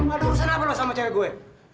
lo gak ada urusan apa lo sama cewek gue